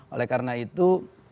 oleh karena itu